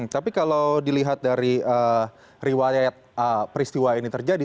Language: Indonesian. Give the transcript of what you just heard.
tapi kalau dilihat dari riwayat peristiwa ini terjadi